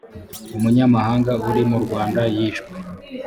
umunyamahanga uri mu rwanda yishwe